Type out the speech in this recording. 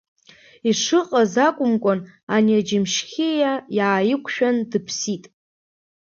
Ишыҟаз акәымкәан ани Аџьымшьхьиа иааиқәшәан дыԥсит.